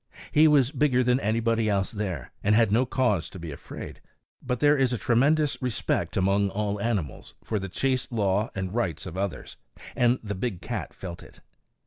He was bigger than anybody else there, and had no cause to be afraid; but there is a tremendous respect among all animals for the chase law and the rights of others; and the big cat felt it.